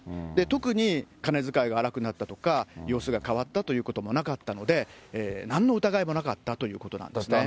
特に金遣いが荒くなったとか、様子が変わったということもなかったので、なんの疑いもなかったということなんですね。